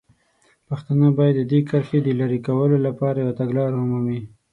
پښتانه باید د دې کرښې د لرې کولو لپاره یوه تګلاره ومومي.